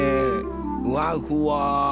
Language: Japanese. ふわふわ。